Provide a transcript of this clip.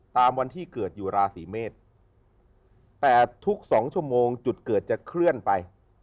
ตามวันที่เกิดอยู่ราศีเมษแต่ทุก๒ชั่วโมงจุดเกิดจะเคลื่อนไป